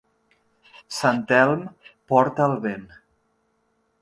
Sant Elm porta el vent.